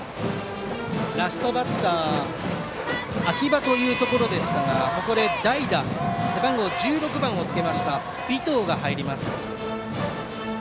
ラストバッター秋葉のところですがここで代打背番号１６番をつけた尾藤が入ります。